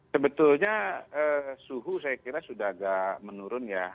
sebetulnya suhu saya kira sudah agak menurun ya